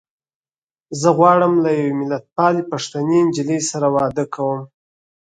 زه غواړم له يوې ملتپالې پښتنې نجيلۍ سره واده کوم.